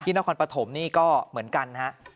น้องควรปะถมนี่ก็เหมือนกันฮะ